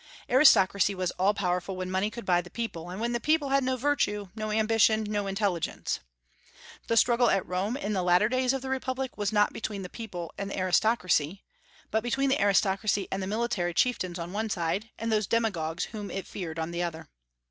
Aristocracy was all powerful when money could buy the people, and when the people had no virtue, no ambition, no intelligence. The struggle at Rome in the latter days of the Republic was not between the people and the aristocracy, but between the aristocracy and the military chieftains on one side, and those demagogues whom it feared on the other.